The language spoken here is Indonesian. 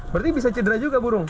berarti bisa cedera juga burung